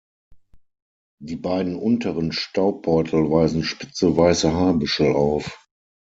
Die beiden unteren Staubbeutel weisen spitze weiße Haarbüschel auf.